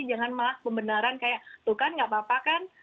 jangan malah pembenaran kayak tuh kan gak apa apa kan